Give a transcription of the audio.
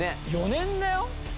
４年だよ？